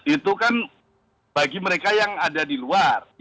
itu kan bagi mereka yang ada di luar negara itu kan itu bisa juga berjalan jalan